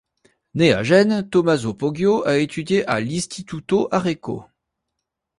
Né à Gênes, Tomaso Poggio a étudié à l'Istituto Arecco.